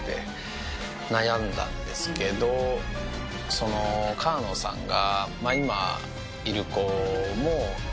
その川野さんが。